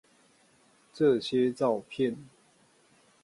這些照片